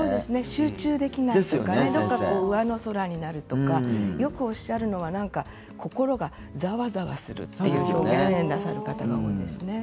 集中できないとか上の空になるとかよくおっしゃるのは心がざわざわするという表現をなさる方が多いです。